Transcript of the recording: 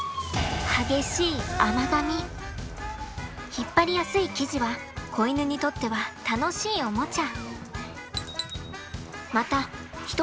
引っ張りやすい生地は子犬にとっては楽しいおもちゃ。